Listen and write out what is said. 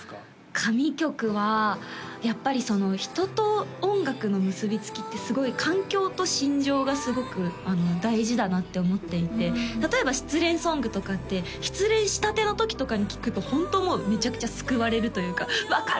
神曲はやっぱり人と音楽の結びつきってすごい環境と心情がすごく大事だなって思っていて例えば失恋ソングとかって失恋したての時とかに聴くとホントもうめちゃくちゃ救われるというか分かる！